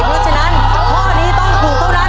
เพราะฉะนั้นข้อนี้ต้องถูกเท่านั้น